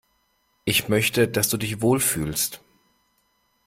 Ich möchte, dass du dich wohl fühlst.